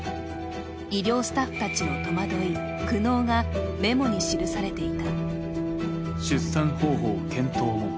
医療スタッフたちの戸惑い、苦悩がメモに記されていた。